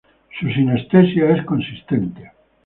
Su sinestesia es consistente.